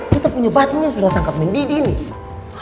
kita punya batinnya sudah sangat mendidih nih